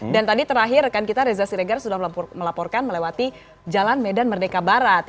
dan tadi terakhir rekan kita reza siregar sudah melaporkan melewati jalan medan merdeka barat